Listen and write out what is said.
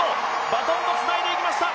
バトンをつないでいきました